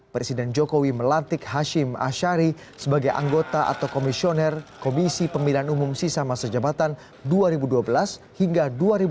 presiden jokowi melantik hashim ashari sebagai anggota atau komisioner komisi pemilihan umum sisa masa jabatan dua ribu dua belas hingga dua ribu dua puluh